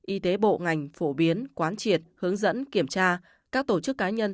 y tế bộ ngành phổ biến quán triệt hướng dẫn kiểm tra các tổ chức cá nhân